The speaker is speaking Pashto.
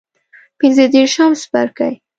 پنځه دیرشم څپرکی